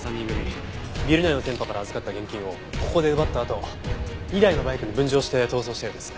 ビル内の店舗から預かった現金をここで奪ったあと２台のバイクに分乗して逃走したようです。